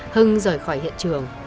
hưng rời khỏi hiện trường